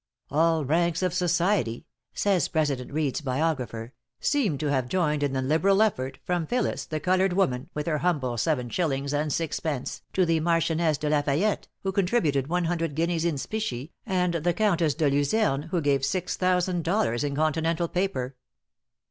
"All ranks of society," says President Reed's biographer, "seem to have joined in the liberal effort, from Phillis, the colored woman, with her humble seven shillings and six pence, to the Marchioness de La Fayette, who contributed one hundred guineas in specie, and the Countess de Luzerne, who gave six thousand dollars in continental paper."